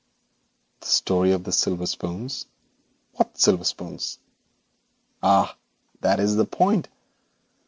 'The story of the silver spoons! What silver spoons?' 'Ah! That is the point.